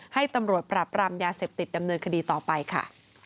ให้ตำรวจปราบรามยาเสพติดดำเนินคดีต่อไปค่ะ